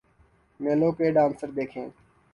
نیلو کے ڈانسز دیکھیں۔